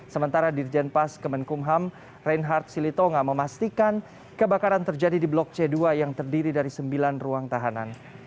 sementara dirjen pas kemenkumham reinhard silitonga memastikan kebakaran terjadi di blok c dua yang terdiri dari sembilan ruang tahanan